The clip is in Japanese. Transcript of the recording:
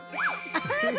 アハハ！